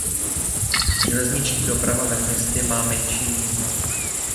Železniční doprava ve městě má menší význam.